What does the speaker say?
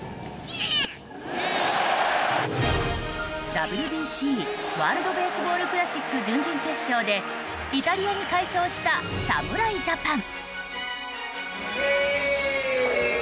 ＷＢＣ・ワールド・ベースボール・クラシック準々決勝でイタリアに快勝した侍ジャパン。